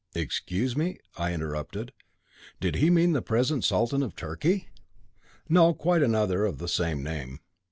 '" "Excuse me," I interrupted. "Did he mean the present Sultan of Turkey?" "No, quite another, of the same name."